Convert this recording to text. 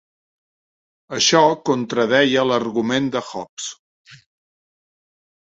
Això contradeia l'argument de Hobbes.